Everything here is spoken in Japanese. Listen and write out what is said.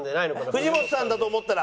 「藤本さんだと思ったら」。